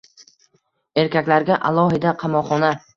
Erkaklarga alohida qamoqxona